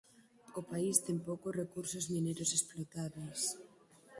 O país ten poucos recursos mineiros explotábeis.